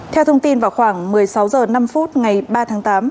theo thông tin vào khoảng một mươi sáu h năm ngày ba tháng tám